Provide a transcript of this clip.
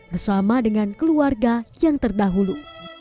bersama dengan keluarga yang terdahulu